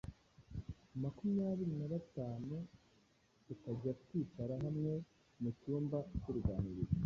makumyabiri na batanu, tukajya twicara hamwe mu cyumba cy’uruganiriro